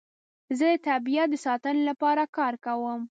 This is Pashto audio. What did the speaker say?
زه د طبیعت د ساتنې لپاره کار کوم.